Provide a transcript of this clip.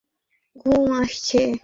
এই, যেরকম মনে করছিস সেরকম এসআইর মতো না।